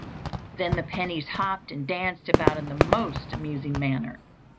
Then the pennies hopped and danced about in the most amusing manner.